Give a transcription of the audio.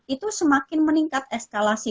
itu semakin meningkat eskalasi